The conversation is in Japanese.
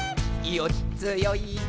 「よっつよいこも